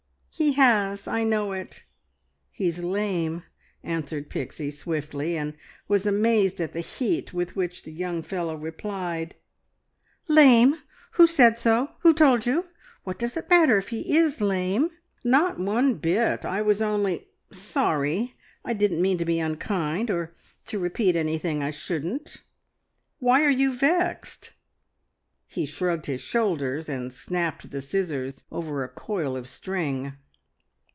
"He has; I know it. He's lame," answered Pixie swiftly, and was amazed at the heat with which the young fellow replied "Lame? Who said so? Who told you? What does it matter if he is lame?" "Not one bit. I was only sorry. I didn't mean to be unkind or to repeat anything I shouldn't. Why are you vexed?" He shrugged his shoulders, and snapped the scissors over a coil of string.